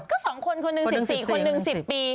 ก็๒คนคนหนึ่ง๑๔คนหนึ่ง๑๐ปี